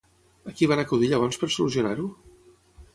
A qui van acudir llavors per solucionar-ho?